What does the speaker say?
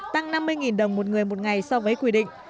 tăng năm mươi đồng một người một ngày so với quy định